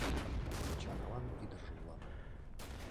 Ачан-аван ӱдыржӧ улам.